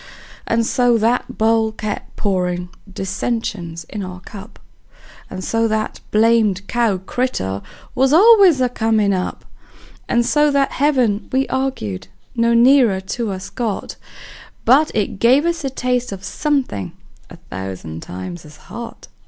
And so that bowl kept pourin' dissensions in our cup; And so that blamed cow critter was always a comin' up; And so that heaven we arg'ed no nearer to us got, But it gave us a taste of somethin' a thousand times as hot.